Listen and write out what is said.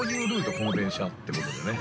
この電車ってことでね。